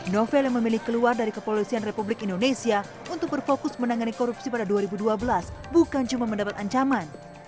novel yang memilih keluar dari kepolisian republik indonesia untuk berfokus menangani korupsi pada dua ribu dua belas bukan cuma mendapat ancaman